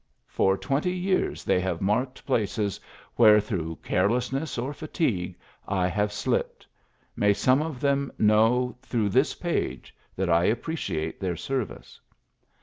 For twenty years they have marked places where through carelessness or fatigue I have slipped ; may some of them know through this page that I appreciate their service.